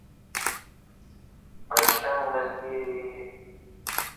هغه پخپله ځان ته سرګرداني اخیستې وه.